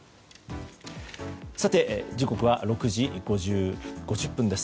時刻は６時５０分です。